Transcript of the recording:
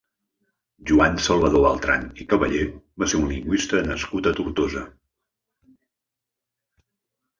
Joan Salvador Beltran i Cavaller va ser un lingüista nascut a Tortosa.